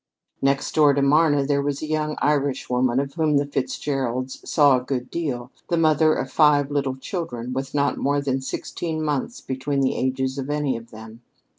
Next door to Marna there was a young Irishwoman of whom the Fitzgeralds saw a good deal, the mother of five little children, with not more than sixteen months between the ages of any of them.